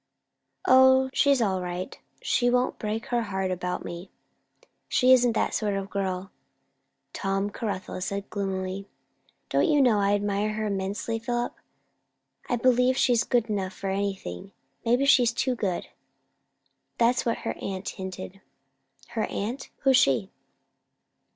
"O, she's all right. She won't break her heart about me. She isn't that sort of girl," Tom Caruthers said gloomily. "Do you know, I admire her immensely, Philip! I believe she's good enough for anything. Maybe she's too good. That's what her aunt hinted." "Her aunt! Who's she?"